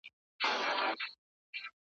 چي هرشی به یې وو لاس ته ورغلی `